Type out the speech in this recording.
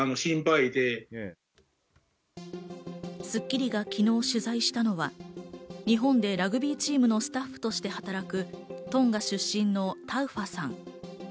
『スッキリ』が昨日取材したのは、日本でラグビーチームのスタッフとして働くトンガ出身のタウファさん。